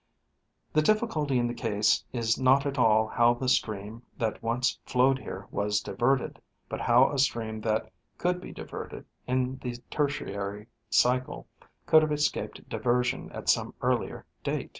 The difficulty in the case is not at all how the stream that once flowed here was diverted, but how a stream that could be diverted in the Tertiary cycle could have escaped diversion at some earlier date.